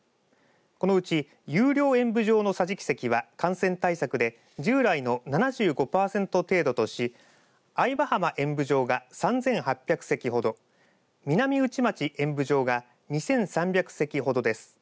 このうち有料演舞場の桟敷席は感染対策で従来の７５パーセント程度とし藍場浜演舞場が３８００席ほど南内町演舞場が２３００席ほどです。